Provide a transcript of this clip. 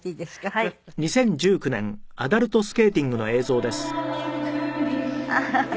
はい。ハハハ。